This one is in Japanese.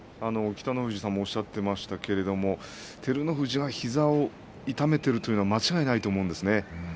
北の富士さんもおっしゃっていましたけれど照ノ富士は膝を痛めているというのは間違いないと思うんですね。